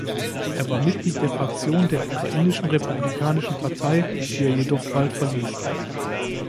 Er war Mitglied der Fraktion der Ukrainischen Republikanischen Partei, die er jedoch bald verließ.